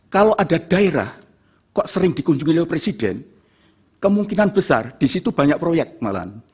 kalau ada daerah kok sering dikunjungi oleh presiden kemungkinan besar di situ banyak proyek malahan